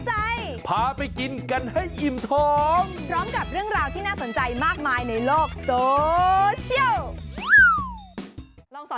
คือจริงหรือมันเชิง